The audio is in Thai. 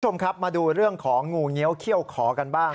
คุณผู้ชมครับมาดูเรื่องของงูเงี้ยวเขี้ยวขอกันบ้าง